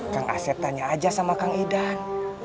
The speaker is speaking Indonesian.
kang asep tanya aja sama kang idan